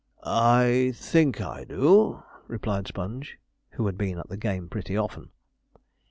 'I think I do,' replied Sponge who had been at the game pretty often.